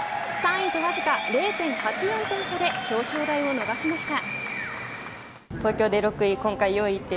３位とわずか０．８４点差で表彰台を逃しました。